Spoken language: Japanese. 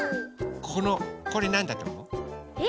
これなんだとおもう？え？